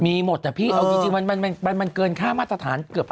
มีหมดอะพี่เอาจริงมันเกินค่ามาตรฐานเกือบ